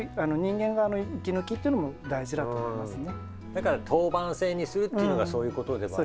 だから当番制にするっていうのがそういうことでもありますね。